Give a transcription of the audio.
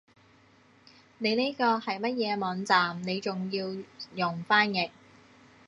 你呢個係乜嘢網站你仲要用翻譯